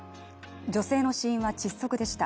女性の死因は窒息でした。